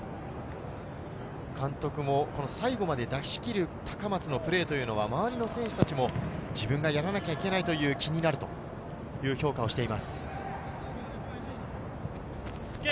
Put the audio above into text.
監督も最後まで出し切る高松のプレーは周りの選手たちも自分がやらなきゃいけないという気になるという評価をしています。